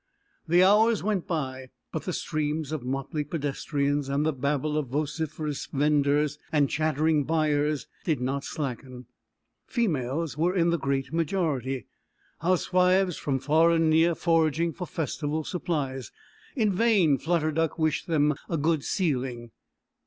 The hours went by, but the streams of motley pedestrians and the babel of vociferous vendors and chattering buyers did not slacken. Females were in the great majority, housewives from far and near foraging for Festival supplies. In vain Flutter Duck wished them "A Good Sealing."